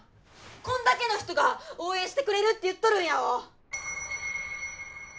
こんだけの人が応援してくれるって言っとるんやお！